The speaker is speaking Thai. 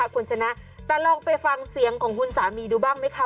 คุณชนะแต่ลองไปฟังเสียงของคุณสามีดูบ้างไหมคะ